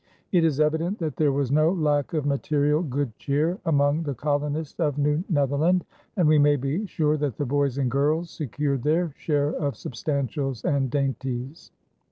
It is evident that there was no lack of material good cheer among the colonists of New Netherland, and we may be sure that the boys and girls secured their share of substantials and dainties.